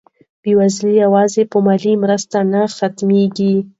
بېوزلي یوازې په مالي مرستو نه ختمېږي.